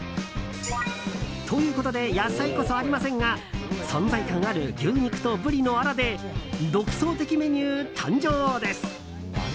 ということで野菜こそありませんが存在感ある牛肉とブリのあらで独創的メニュー誕生です。